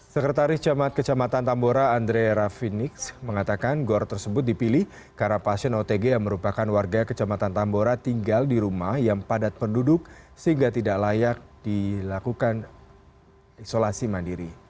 sekretaris kecamatan tambora andre rafinix mengatakan gor tersebut dipilih karena pasien otg yang merupakan warga kecamatan tambora tinggal di rumah yang padat penduduk sehingga tidak layak dilakukan isolasi mandiri